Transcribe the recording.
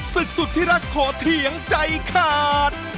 ศึกสุดที่รักขอเถียงใจขาด